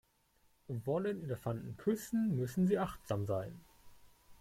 Wollen Elefanten küssen, müssen sie achtsam sein.